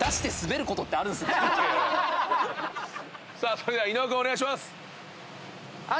それでは伊野尾君お願いします。